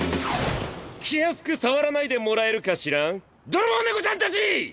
気安く触らないでもらえるかしらぁん泥棒猫ちゃんたち‼